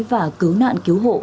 và cứu nạn cứu hộ